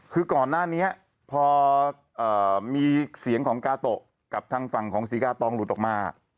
คือก่อนหน้านี้พอมีเสียงของกาโตะกับทางฝั่งของศรีกาตองหลุดออกมา